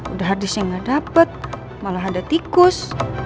udah harddisknya gak dapet malah ada tikus